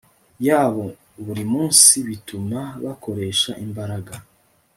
yabo buri munsi Bituma bakoresha imbaraga